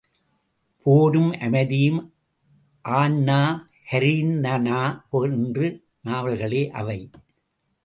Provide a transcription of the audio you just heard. போரும் அமைதியும், ஆன்னா கரீனனா என்ற நாவல்களே அவை.